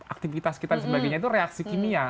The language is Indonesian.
aktivitas kita dan sebagainya itu reaksi kimia